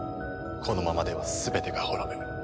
このままでは全てが滅ぶ。